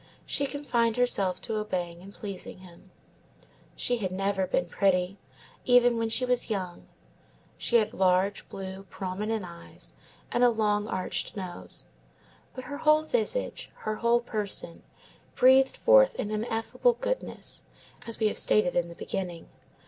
She confined herself to obeying and pleasing him. She had never been pretty, even when she was young; she had large, blue, prominent eyes, and a long arched nose; but her whole visage, her whole person, breathed forth an ineffable goodness, as we stated in the beginning.